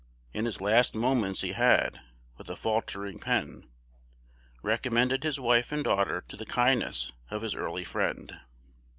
In his last moments he had, with a faltering pen, recommended his wife and daughter to the kindness of his early friend.